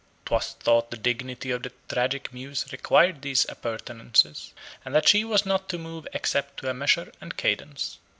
'Twas thought the dignity of the Tragic Muse required these appurtenances, and that she was not to move except to a measure and cadence.